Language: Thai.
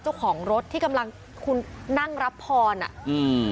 เจ้าของรถที่กำลังคุณนั่งรับพรอ่ะอืม